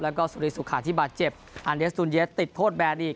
แล้วก็สุริสุขาที่บาดเจ็บอันเดสตูนเยสติดโทษแบนอีก